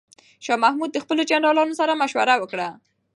شاه محمود د خپلو جنرالانو سره مشوره وکړه.